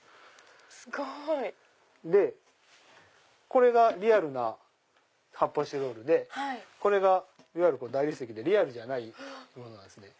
これがリアルな発泡スチロールでこれがいわゆる大理石でリアルじゃないものなんですね。